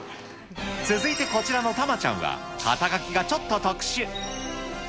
続いてこちらのたまちゃんは、肩書がちょっと特殊。